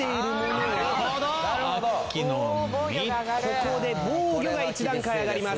ここでぼうぎょが１段階上がります。